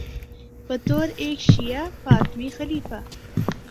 بطور ایک شیعہ فاطمی خلیفہ